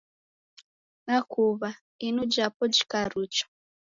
Nakuw'a inu japo jikarucha.